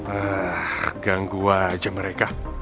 ah ganggu aja mereka